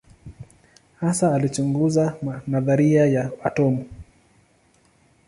Hasa alichunguza nadharia ya atomu.